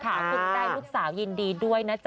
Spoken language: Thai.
คุณได้ลูกสาวยินดีด้วยนะจ๊